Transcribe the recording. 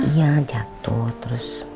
iya jatuh terus